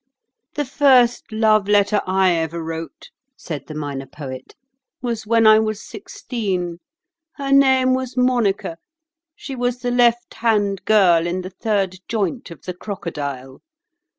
"The first love letter I ever wrote," said the Minor Poet, "was when I was sixteen. Her name was Monica; she was the left hand girl in the third joint of the crocodile.